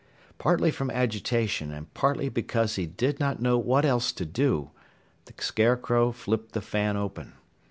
Partly from agitation and partly because he did not know what else to do, the Scarecrow flipped the fan open.